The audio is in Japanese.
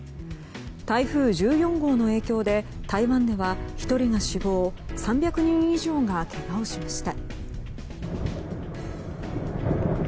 台風１４号の影響で台湾では１人が死亡３００人以上がけがをしました。